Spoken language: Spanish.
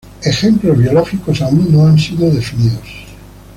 Ejemplos biológicos aún no han sido definidos.